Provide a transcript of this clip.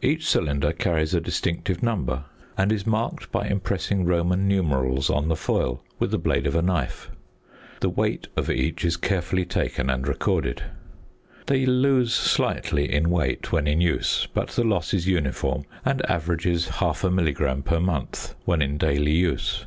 Each cylinder carries a distinctive number, and is marked by impressing Roman numerals on the foil with the blade of a knife. The weight of each is carefully taken and recorded. They lose slightly in weight when in use, but the loss is uniform, and averages half a milligram per month when in daily use.